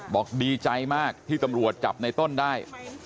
บอกดีใจมากที่ตำรวจจับในต้นได้